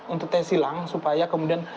untuk tes silang supaya kemudian